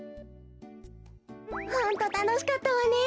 ホントたのしかったわね。